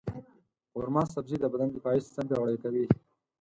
قورمه سبزي د بدن دفاعي سیستم پیاوړی کوي.